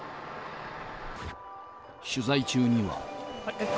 取材中には。